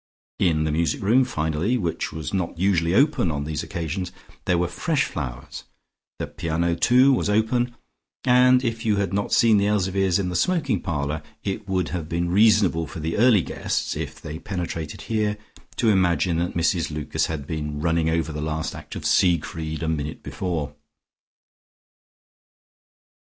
In the music room, finally, which was not usually open on these occasions, there were fresh flowers: the piano, too, was open, and if you had not seen the Elzevirs in the smoking parlour, it would have been reasonable for the early guests, if they penetrated here, to imagine that Mrs Lucas had been running over the last act of Siegfried a minute before.